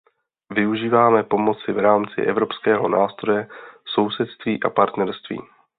Využíváme pomoci v rámci evropského nástroje sousedství a partnerství.